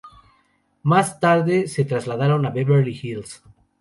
Más tarde, se trasladaron a Beverly Hills.